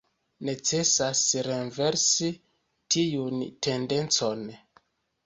Necesas renversi tiun tendencon.